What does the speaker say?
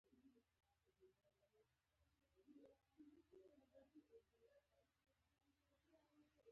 که سړی بيا بيا درواغ له ځان سره تکرار کړي.